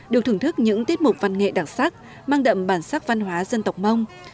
được thưởng thức những tiết mục văn nghệ đặc sắc mang đậm bản sắc văn hóa dân tộc mông